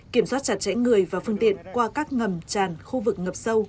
kiểm soát chặt chẽ người và phương tiện qua các ngầm tràn khu vực ngập sâu